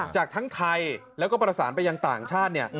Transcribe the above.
จากทั้งไทยแล้วก็ประสานไปยังต่างชาติ